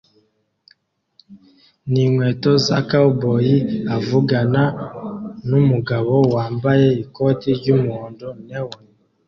ninkweto za cowboy avugana numugabo wambaye ikoti ry'umuhondo neon